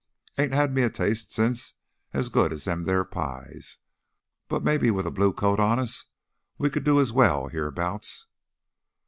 Ain't had me a taste since as good as them theah pies. But maybe with a blue coat on us we could do as well heah 'bouts."